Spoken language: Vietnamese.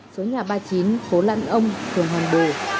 số nhà ba mươi chín phố lãn ông phường hoàn bồ